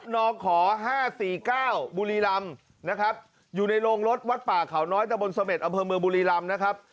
นอกขอ๕๔๙บุรีรำอยู่ในโรงรถวัดป่าเขาน้อยตะบนเสม็ดอเผิมเมือบุรีรำนะครับ